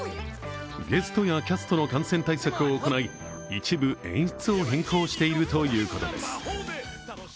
ゲストやキャストの感染対策を行い一部演出を変更しているということです。